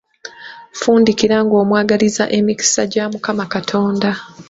Fundikira ng'omwagaliza emikisa gya Mukama Katonda.